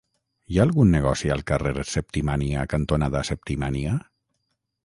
Hi ha algun negoci al carrer Septimània cantonada Septimània?